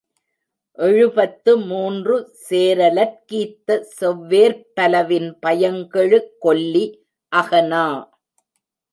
எழுபத்து மூன்று, சேரலற்கீத்த, செவ்வேர்ப் பலவின் பயங்கெழு கொல்லி அகநா.